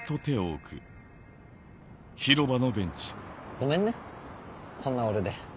ごめんねこんな俺で。